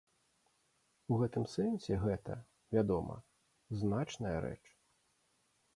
У гэтым сэнсе гэта, вядома, значная рэч.